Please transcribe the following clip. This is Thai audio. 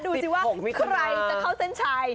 ดูสิว่าใครจะเข้าเส้นชัย